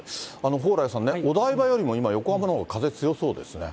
蓬莱さんね、お台場よりも今、横浜のほうが風強そうですね。